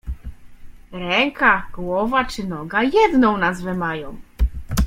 Ręka, głowa czy noga jedną nazwę mają